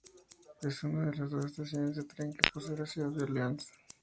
Es una de las dos estaciones de tren que posee la ciudad de Orleans.